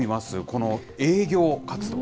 この営業活動。